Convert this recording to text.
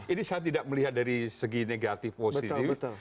ini saya tidak melihat dari segi negatif positif